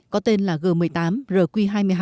có tên là g một mươi tám rq hai mươi hai